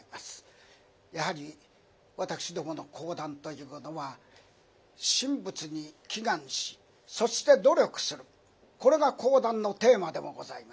やはり私どもの講談というのは神仏に祈願しそして努力するこれが講談のテーマでもございます。